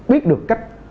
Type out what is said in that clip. biết được cách